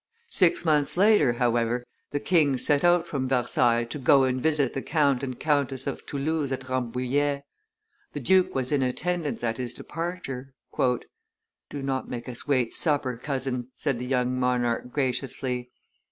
Six months later, however, the king set out from Versailles to go and visit the Count and Countess of Toulouse at Rambouillet. The duke was in attendance at his departure. "Do not make us wait supper, cousin," said the young monarch, graciously.